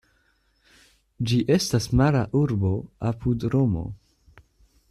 Ĝi estas mara urbo apud Romo.